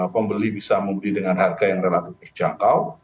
pembeli bisa membeli dengan harga yang relatif terjangkau